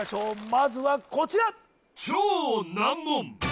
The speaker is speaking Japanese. まずはこちら